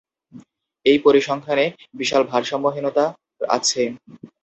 এই পরিসংখ্যানে বিশাল ভারসাম্যহীনতা আছে।